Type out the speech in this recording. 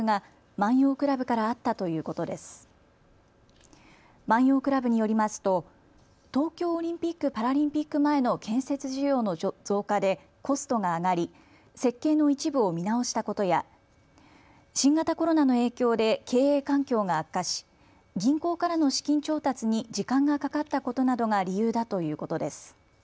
万葉倶楽部によりますと東京オリンピック・パラリンピック前の建設需要の増加でコストが上がり、設計の一部を見直したことや新型コロナの影響で経営環境が悪化し銀行からの資金調達に時間がかかったことなどが理由だということです。